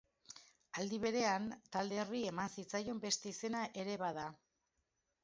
Aldi berean, talde horri eman zitzaion beste izena ere bada.